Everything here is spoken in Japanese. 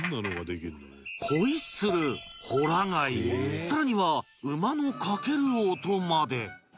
ホイッスルホラ貝さらには馬の駆ける音まで